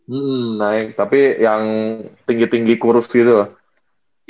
hmm naik tapi yang tinggi tinggi kurus gitu loh